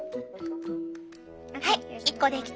はい１個できた！